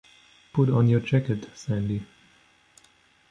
Put on your jacket, Sandy.